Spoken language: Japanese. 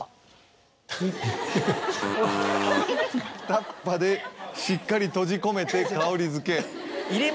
タッパーでしっかり閉じ込めて香りづけ。